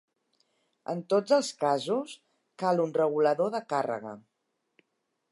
En tots els casos, cal un regulador de càrrega.